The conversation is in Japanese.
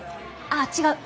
あっ違う。